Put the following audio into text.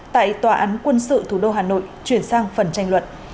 tại tòa án quân sự thủ đô hà nội chuyển sang phần tranh luận